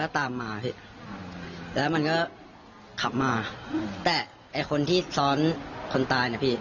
แต่ไอคนที่ซ้อนคนตายนะพี่